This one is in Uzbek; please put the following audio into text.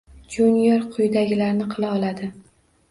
Junior quyidagilarni qila oladi